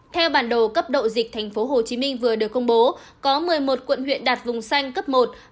theo bản đồ cấp độ dịch tp hcm vừa được công bố có một mươi một quận huyện đạt vùng xanh cấp một